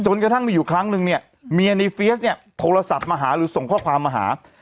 กระทั่งมีอยู่ครั้งนึงเนี่ยเมียในเฟียสเนี่ยโทรศัพท์มาหาหรือส่งข้อความมาหา